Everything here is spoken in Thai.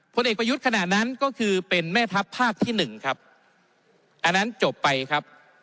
ผลเอกประยุทธ์ขณะนั้นก็คือเป็นแม่ทัพภาคที่หนึ่งครับอันนั้นจบไปครับ